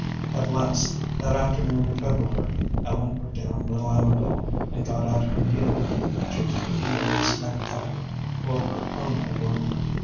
At last, that afternoon in February, Ellen put down little Amabel and got out her needle work. She was making a lace neck tie for her own adornment.